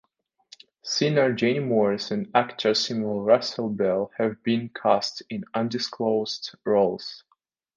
Singer Jenny Morris and actor Simon Russell Beale have been cast in undisclosed roles.